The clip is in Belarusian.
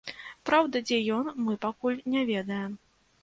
Праўда, дзе ён, мы пакуль не ведаем.